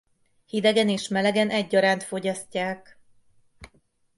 Hidegen és melegen egyaránt fogyasztják.